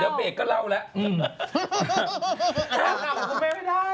เดี๋ยวเบรกก็เล่าแล้ว